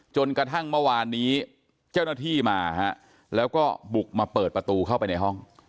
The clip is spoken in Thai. จนกระทั่งเมื่อวานนี้เจ้าหน้าที่มาฮะแล้วก็บุกมาเปิดประตูเข้าไปในห้อง